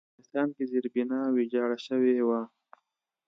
په افغانستان کې زېربنا ویجاړه شوې وه.